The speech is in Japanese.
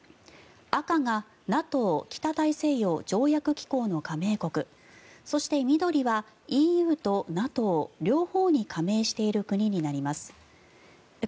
赤がＮＡＴＯ・北大西洋条約機構の加盟国そして緑はＥＵとＮＡＴＯ両方に加盟している国になります。